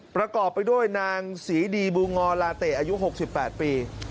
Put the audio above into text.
ประกอบไปด้วยนางศรีดีบูงอลาเตะอายุ๖๘ปี